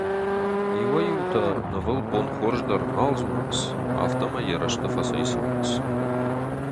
Иуӕй-иутӕ нывыл «бонхорз» дӕр нал дзурынц, афтӕмӕй йӕ рӕзты фӕцӕйцӕуынц.